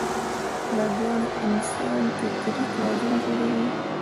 دا دواړه د انسان فطري توازن جوړوي.